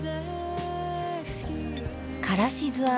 「からし酢あえ」